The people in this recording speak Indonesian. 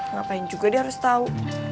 ngapain juga dia harus tahu